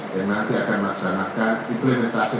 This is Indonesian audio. dan nanti akan melaksanakan implementasi